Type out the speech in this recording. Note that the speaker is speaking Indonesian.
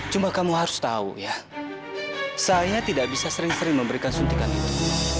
cuma kamu harus tahu ya saya tidak bisa sering sering memberikan suntikan itu